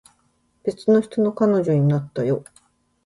別の人の彼女になったよ